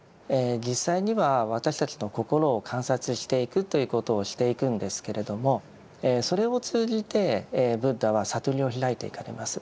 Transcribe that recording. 実際には私たちの心を観察していくということをしていくんですけれどもそれを通じてブッダは悟りを開いていかれます。